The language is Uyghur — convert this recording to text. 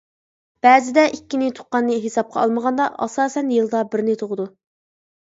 بەزىدە ئىككىنى تۇغقاننى ھېسابقا ئالمىغاندا ئاساسەن يىلدا بىرنى تۇغىدۇ.